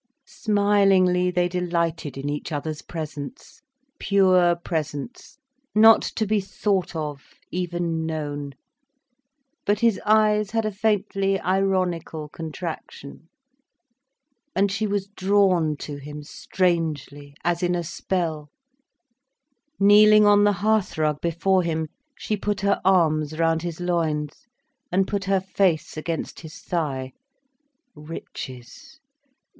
Smilingly they delighted in each other's presence, pure presence, not to be thought of, even known. But his eyes had a faintly ironical contraction. And she was drawn to him strangely, as in a spell. Kneeling on the hearth rug before him, she put her arms round his loins, and put her face against his thigh. Riches!